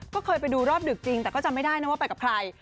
ก็เคยไปดูรอบดึกจริงแต่ก็จำไม่ได้นะว่าไปกับใคร